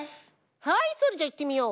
はいそれじゃあいってみよう。